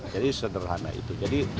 jadi sederhana itu